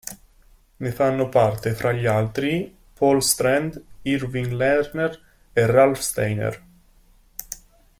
Ne fanno parte, fra gli altri, Paul Strand, Irving Lerner e Ralph Steiner.